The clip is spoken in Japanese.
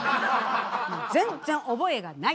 全然覚えがない。